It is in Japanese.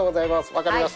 分かりました。